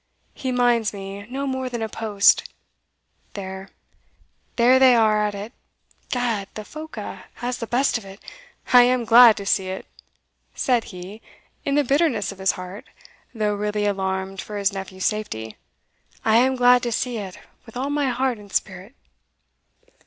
He minds me no more than a post. There there they are at it Gad, the Phoca has the best of it! I am glad to see it," said he, in the bitterness of his heart, though really alarmed for his nephew's safety "I am glad to see it, with all my heart and spirit."